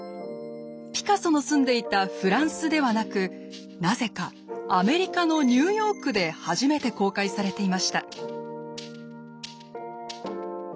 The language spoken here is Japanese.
ピカソの住んでいたフランスではなくなぜかアメリカのニューヨークで初めて公開されていました。